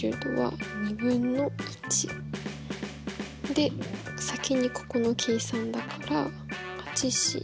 で先にここの計算だから８ｃ。